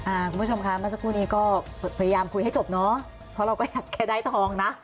คุณผู้ชมค่ะเมื่อสักครู่นี้ก็พยายามคุยให้จบเนอะเพราะเราก็อยากแค่ได้ทองนะ